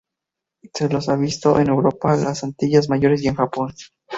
Se los ha visto en Europa, las Antillas Mayores y en Japón.